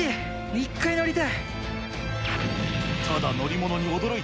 一回乗りたい。